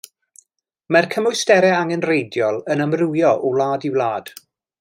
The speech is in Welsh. Mae'r cymwysterau angenrheidiol yn amrywio o wlad i wlad.